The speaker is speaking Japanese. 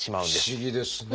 不思議ですね